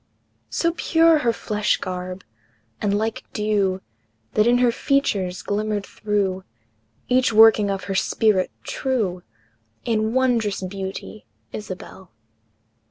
So pure her flesh garb, and like dew, That in her features glimmered through Each working of her spirit true, In wondrous beauty, Isabel!